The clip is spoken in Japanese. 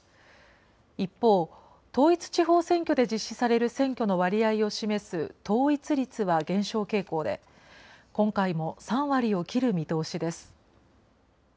一方、統一地方選挙で実施される選挙の割合を示す統一率は減少傾向で、今回も３割を切る見通しです。